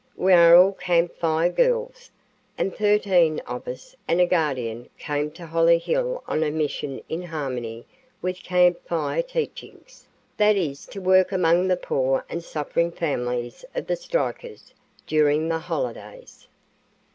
We are all Camp Fire Girls, and thirteen of us and a guardian came to Hollyhill on a mission in harmony with Camp Fire teachings, that is, to work among the poor and suffering families of the strikers during the holidays."